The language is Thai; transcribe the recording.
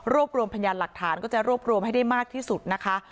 รวมรวมพยานหลักฐานก็จะรวบรวมให้ได้มากที่สุดนะคะ